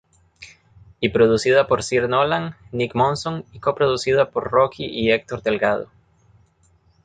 Y producida por Sir Nolan, Nick Monson, y co-producida por Rocky y Hector Delgado.